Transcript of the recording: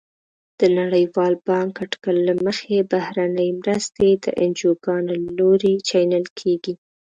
د نړیوال بانک اټکل له مخې بهرنۍ مرستې د انجوګانو له لوري چینل کیږي.